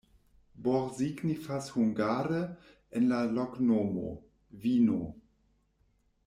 Bor signifas hungare en la loknomo: vino.